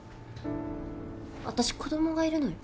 私子供がいるのよ。